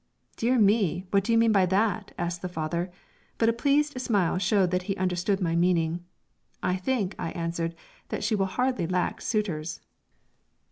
"Dear me, what do you mean by that?" asked the father; but a pleased smile showed that he understood my meaning. "I think," I answered, "that she will hardly lack suitors."